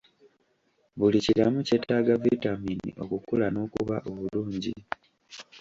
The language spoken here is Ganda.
Buli kiramu kyetaaga vitamiini okukula n'okuba obulungi.